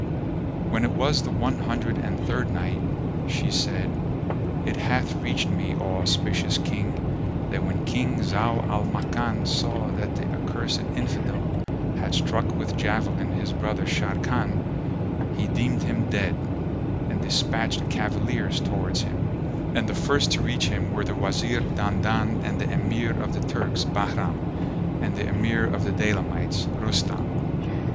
When it was the One Hundred and Third Night, She said, It hath reached me, O auspicious King, that when King Zau al Makan saw that the accursed Infidel had struck with javelin his brother Sharrkan, he deemed him dead, and despatched cavaliers towards him; and the first to reach him were the Wazir Dandan and the Emir of the Turks, Bahram, and the Emir of the Daylamites, Rustam.